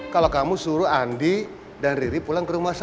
kalau kamu suruh andi dan riri pulang ke rumah saya